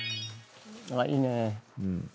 いいね。